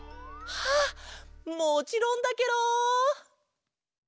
あっもちろんだケロ！